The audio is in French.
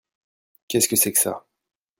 Qu'est que c'est que ça ?